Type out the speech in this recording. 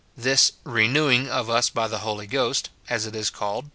This " renewing of us by the Holy Ghost," as it is called.